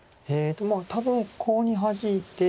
多分コウにハジいて。